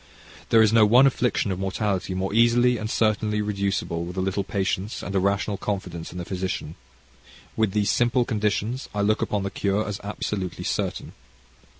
There is no one affliction of mortality more easily and certainly reducible, with a little patience, and a rational confidence in the physician. With these simple conditions, I look upon the cure as absolutely certain.